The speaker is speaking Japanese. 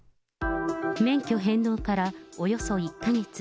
免許返納からおよそ１か月。